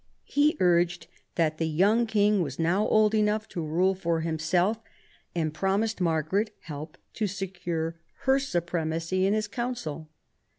He urged that the young king was now old enough to rule for himself, and promised Mar garet help to secure her supremacy in his council.